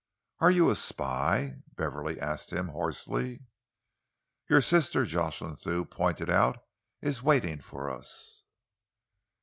"Are you a spy?" Beverley asked him hoarsely. "Your sister," Jocelyn Thew pointed out, "is waiting for us."